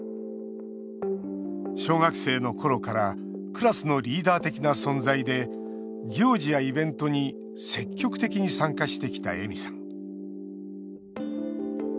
小学生のころからクラスのリーダー的な存在で行事やイベントに積極的に参加してきた、えみさん。